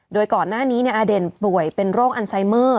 โดยก่อนหน้านี้อเด่นป่วยเป็นโรคอันไซเมอร์